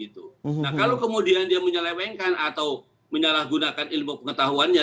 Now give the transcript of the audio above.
nah kalau kemudian dia menyelewengkan atau menyalahgunakan ilmu pengetahuannya